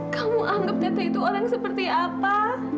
kamu anggap teteh itu orang seperti apa